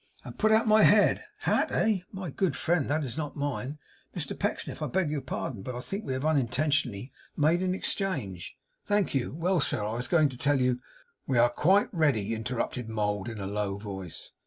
'And put out my head hat, eh? My good friend, that is not mine. Mr Pecksniff, I beg your pardon, but I think we have unintentionally made an exchange. Thank you. Well, sir, I was going to tell you ' 'We are quite ready,' interrupted Mould in a low voice.